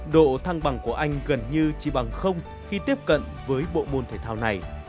độ thăng bằng của anh gần như chỉ bằng khi tiếp cận với bộ môn thể thao này